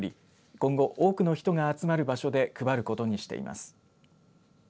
今後、多くの人が集まる場所で配ることにしています。